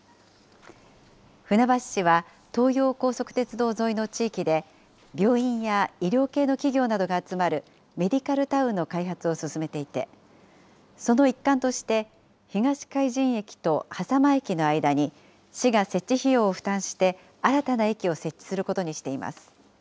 船橋市は東葉高速鉄道沿いの地域で、病院や医療系の企業などが集まるメディカルタウンの開発を進めていて、その一環として、東海神駅と飯山満駅の間に、市が設置費用を負担して新たな駅を設置することにしています。